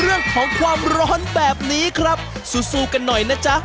เรื่องของความร้อนแบบนี้ครับสู้กันหน่อยนะจ๊ะ